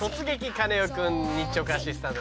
カネオくん」日直アシスタント